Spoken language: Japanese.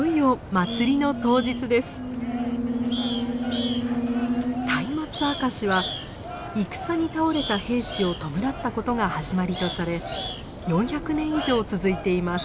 「松明あかし」は戦に倒れた兵士を弔ったことが始まりとされ４００年以上続いています。